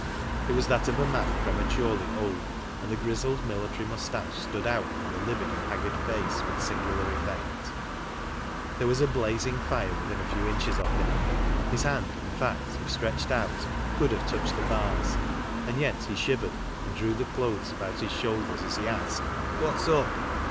It was that of a man prema turely old, and the grizzled military moustache stood out from the livid and haggard face with singular effect. There was a blazing fire within a few inches of him,— his hand, in fact, if stretched out, could have touched the bars, and yet he shivered and drew the clothes about his shoulders as he asked "What's up?"